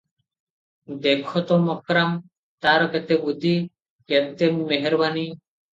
ଦେଖ ତ ମକ୍ରାମ୍, ତାର କେତେ ବୁଦ୍ଧି, କେତେ ମେହରବାନି!